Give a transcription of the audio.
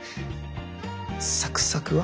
サクサクは？